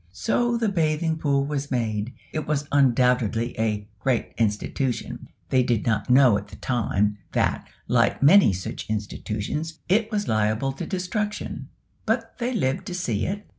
So the bathing pool was made. It was undoubtedly a "great institution;" they did not know at the time, that, like many such institutions, it was liable to destruction; but they lived to see it.